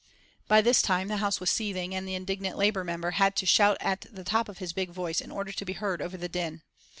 By this time the House was seething, and the indignant Labour member had to shout at the top of his big voice in order to be heard over the din.